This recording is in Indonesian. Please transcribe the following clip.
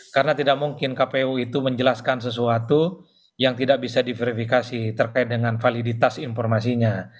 karena tidak mungkin kpu itu menjelaskan sesuatu yang tidak bisa diverifikasi terkait dengan validitas informasinya